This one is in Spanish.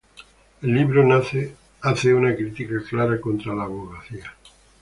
El libro hace una crítica clara contra la abogacía.